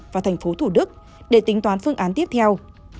và thành phố thủ đức để tính toán phương án tiếp theo